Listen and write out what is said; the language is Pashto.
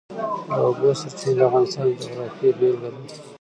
د اوبو سرچینې د افغانستان د جغرافیې بېلګه ده.